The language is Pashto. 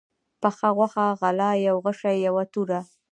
پخه غوښه، غله، يو غشى، يوه توره